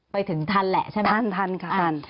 ไปถึงทันแหละใช่ไหมท่านทันค่ะทัน